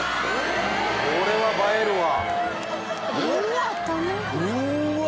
これは映えるわ。